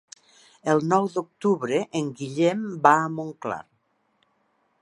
El nou d'octubre en Guillem va a Montclar.